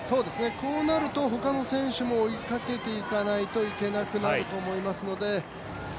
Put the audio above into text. こうなると他の選手も追いかけていかないといけなくなると思いますので。